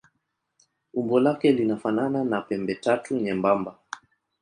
Umbo lake linafanana na pembetatu nyembamba.